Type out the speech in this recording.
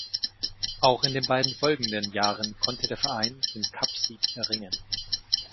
Auch in den beiden folgenden Jahren konnte der Verein den Cupsieg erringen.